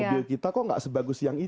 mobil kita kok gak sebagus yang itu